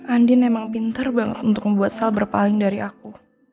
andien emang pinter banget untuk membuat sal berpaling dari aku